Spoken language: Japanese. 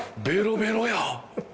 ベロベロや！